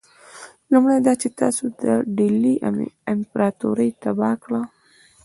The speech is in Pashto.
لومړی دا چې تاسي د ډهلي امپراطوري تباه کړه.